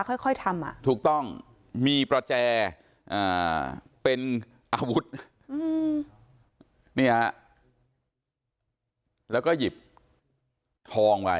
ค่อยทำอ่ะถูกต้องมีประแจเป็นอาวุธนี่ฮะแล้วก็หยิบทองไว้